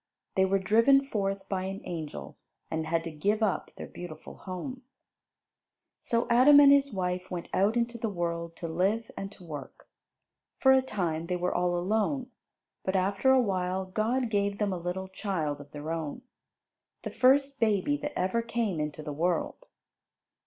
They were driven forth by an angel and had to give up their beautiful home. [Illustration: They were driven forth by an angel] So Adam and his wife went out into the world to live and to work. For a time they were all alone, but after a while God gave them a little child of their own, the first baby that ever came into the world.